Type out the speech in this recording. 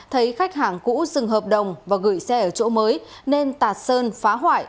thấy khách hàng cũ dừng hợp đồng và gửi xe ở chỗ mới nên tạt sơn phá hoại